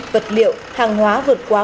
vật liệu hàng hóa vượt quá